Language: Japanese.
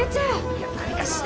いや何か。